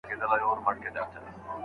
د ښوونځیو د کتابونو ویش څنګه تنظیمېږي؟